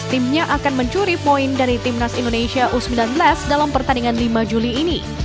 timnya akan mencuri poin dari timnas indonesia u sembilan belas dalam pertandingan lima juli ini